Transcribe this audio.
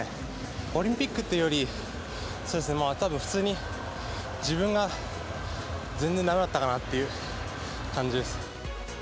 オリンピックっていうより、たぶん、普通に自分が全然だめだったかなっていう感じです。